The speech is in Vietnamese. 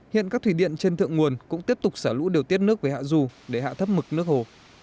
hiện các thủy điện trên thượng nguồn cũng tiếp tục xả lũ điều tiết nước về hạ du để hạ thấp mực nước hồ